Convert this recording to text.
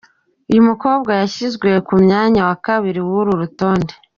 Uyu mukobwa yashyizwe ku mwanya wa kabiri w’uru rutonde.